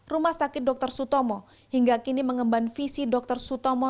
rumah sakit dr sutomo hingga kini mengemban visi dr sutomo